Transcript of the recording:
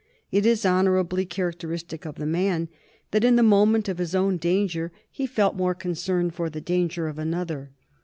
It is honorably characteristic of the man that in the moment of his own danger he felt more concern for the danger of another.